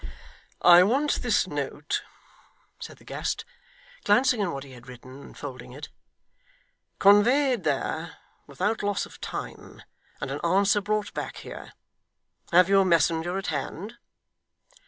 'I want this note' said the guest, glancing on what he had written, and folding it, 'conveyed there without loss of time, and an answer brought back here. Have you a messenger at hand?